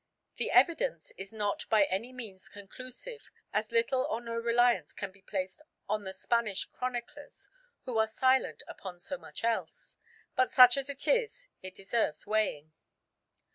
The evidence is not by any means conclusive, as little or no reliance can be placed on the Spanish chroniclers, who are silent upon so much else. But such as it is, it deserves weighing.